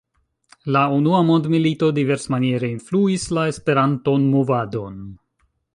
La unua mondmilito diversmaniere influis la Esperanton-movadon.